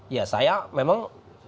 ya saya memang